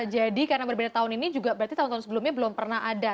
jadi karena berbeda tahun ini berarti tahun tahun sebelumnya belum pernah ada